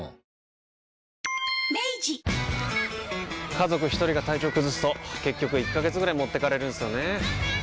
家族一人が体調崩すと結局１ヶ月ぐらい持ってかれるんすよねー。